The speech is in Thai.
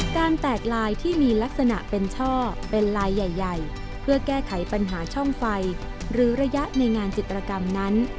แตกลายที่มีลักษณะเป็นช่อเป็นลายใหญ่เพื่อแก้ไขปัญหาช่องไฟหรือระยะในงานจิตรกรรมนั้น